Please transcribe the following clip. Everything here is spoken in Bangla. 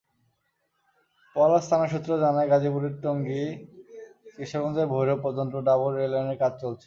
পলাশ থানা সূত্র জানায়, গাজীপুরের টঙ্গী, কিশোরগঞ্জের ভৈরব পর্যন্ত ডাবল রেললাইনের কাজ চলছে।